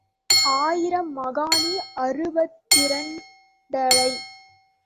ஆயிரம் மாகாணி அறுபத்திரண்டரை.